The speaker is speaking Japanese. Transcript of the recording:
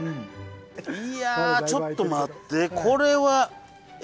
いやあちょっと待ってこれはエグいな。